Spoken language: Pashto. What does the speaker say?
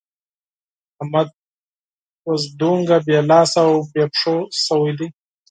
احمد اوس دومره بې لاس او بې پښو شوی دی.